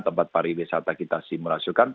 tempat pariwisata kita simulasikan